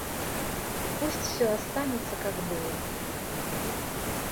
Пусть все останется, как было.